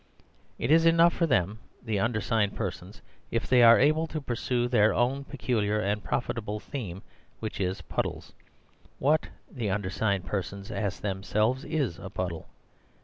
It is enough for them (the undersigned persons) if they are able to pursue their own peculiar and profitable theme—which is puddles. What (the undersigned persons ask themselves) is a puddle?